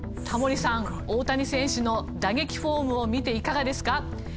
タモリさん大谷選手の打撃フォームを見ていかがですか？